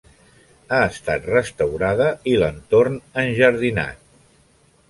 Ha estat restaurada i l'entorn enjardinat.